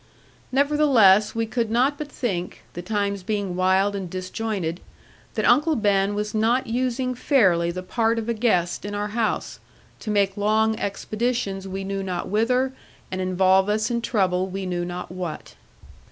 Nevertheless we could not but think, the times being wild and disjointed, that Uncle Ben was not using fairly the part of a guest in our house, to make long expeditions we knew not whither, and involve us in trouble we knew not what.